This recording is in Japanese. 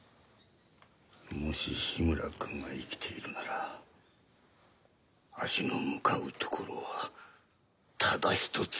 もし緋村君が生きているなら足の向かうところはただ１つ。